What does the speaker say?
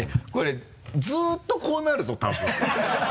これずっとこうなるぞ多分。